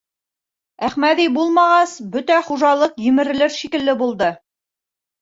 Әхмәҙи булмағас, бөтә хужалыҡ емерелер шикелле булды.